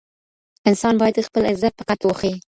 انسان بايد خپل عزت په کار کي وښيي.